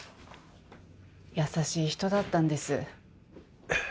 優しい人だったんです。